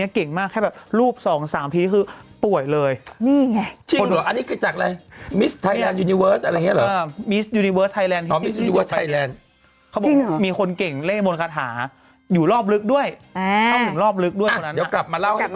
อืมอืมอืมอืมอืมอืมอืมอืมอืมอืมอืมอืมอืมอืมอืมอืมอืมอืมอืมอืมอืมอืมอืมอืม